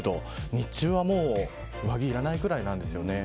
日中はもう上着いらないぐらいなんですよね。